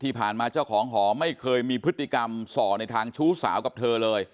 ที่ผ่านมาเจ้าของหอไม่เคยมีพฤติกรรมส่อในทางชู้สาวกับเธอ